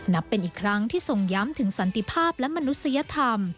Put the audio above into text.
นับเป็นอีกครั้งที่ทรงย้ำถึงสันติภาพและมนุษยธรรม